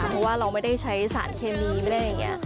เพราะว่าเราไม่ได้ใช้สารเคมีไม่ได้อะไรอย่างนี้